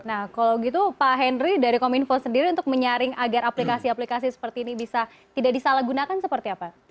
nah kalau gitu pak henry dari kominfo sendiri untuk menyaring agar aplikasi aplikasi seperti ini bisa tidak disalahgunakan seperti apa